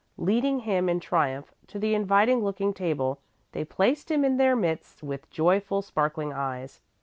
Leading him in triumph to the inviting looking table, they placed him in their midst with joyfully sparkling eyes.